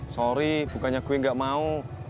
sorry bukannya gue gak mau